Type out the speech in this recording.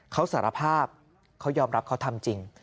เขาสารภาพเขายอมรับเขาทำจริง